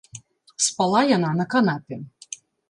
Спала яна на канапе.